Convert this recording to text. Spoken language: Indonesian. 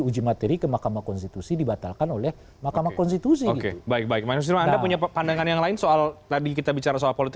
jengkel itu kenapa gitu